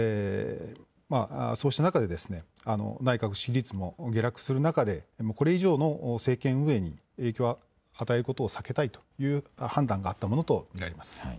そうした中で内閣支持率も下落する中でこれ以上の政権運営に影響を与えることを避けたいという判断があったものと見られます。